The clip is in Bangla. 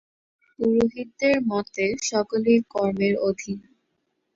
পুরোহিতদের মতে সকলেই কর্মের অধীন।